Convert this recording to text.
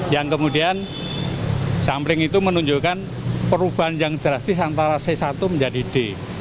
yang kemudian sampling itu menunjukkan perubahan yang drastis antara c satu menjadi d